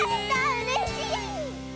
うれしい！